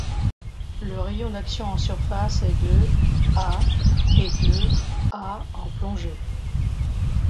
Le rayon d'action en surface est de à et de à en plongée.